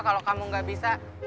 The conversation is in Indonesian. gak kalau kamu gak bisa pake weapon